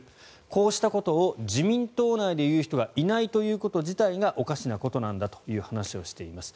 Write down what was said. こうしたことを自民党内で言う人がいないということ自体がおかしなことなんだという話をしています。